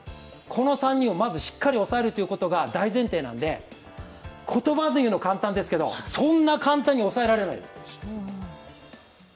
この３人をまずしっかり抑えることが大前提なんで、言葉で言うのは簡単なんですけどそんな簡単に抑えられないです。